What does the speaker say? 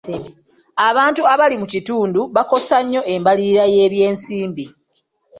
Abantu abali mu kitundu bakosa nnyo embalirira y'ebyensimbi.